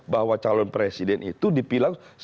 bahwa calon presiden itu dipilih langsung